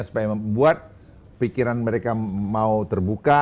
supaya membuat pikiran mereka mau terbuka